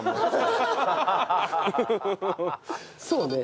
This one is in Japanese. そうね。